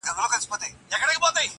د لنډیو ږغ به پورته د باغوان سي-